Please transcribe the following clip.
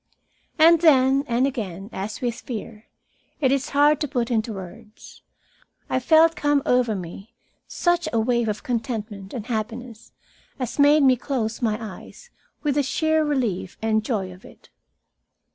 And then and again, as with fear, it is hard to put into words I felt come over me such a wave of contentment and happiness as made me close my eyes with the sheer relief and joy of it.